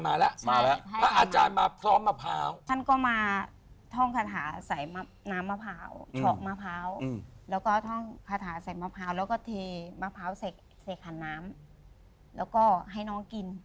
มะพร้าวใส่ขันน้ำแล้วก็ให้น้องกิน